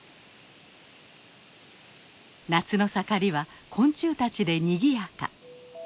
夏の盛りは昆虫たちでにぎやか。